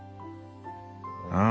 ああ。